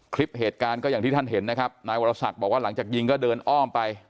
คลิปเหตุการณ์ก็อย่างที่ท่านเห็นนะครับนายวรศักดิ์บอกว่าหลังจากยิงก็เดินอ้อมไป